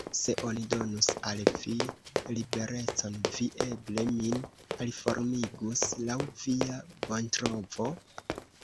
Se oni donus al vi liberecon, vi eble min aliformigus laŭ via bontrovo?